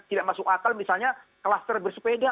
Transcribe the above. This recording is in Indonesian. tidak masuk akal misalnya kluster bersepeda